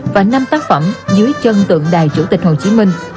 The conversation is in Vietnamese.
và năm tác phẩm dưới chân tượng đài chủ tịch hồ chí minh